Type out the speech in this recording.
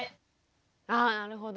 あなるほど。